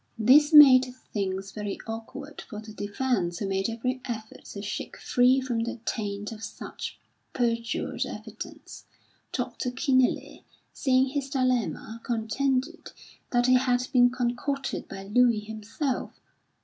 This made things very awkward for the defence who made every effort to shake free from the taint of such perjured evidence. Dr. Kenealy, seeing his dilemma, contended that it had been concocted by Luie himself.